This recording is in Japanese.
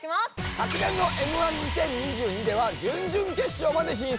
昨年のＭ−１２０２２では準々決勝まで進出